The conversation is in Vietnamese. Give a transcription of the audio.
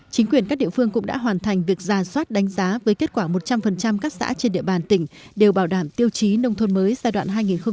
chính quyền các địa phương cũng đã hoàn thành việc ra soát đánh giá với kết quả một trăm linh các xã trên địa bàn tỉnh đều bảo đảm tiêu chí nông thôn mới giai đoạn hai nghìn một mươi một hai nghìn hai mươi